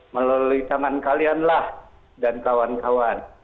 melalui tangan kalianlah dan kawan kawan